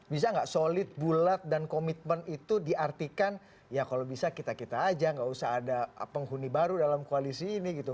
bisa nggak solid bulat dan komitmen itu diartikan ya kalau bisa kita kita aja nggak usah ada penghuni baru dalam koalisi ini gitu